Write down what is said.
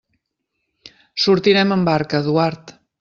Sortirem amb barca, Eduard.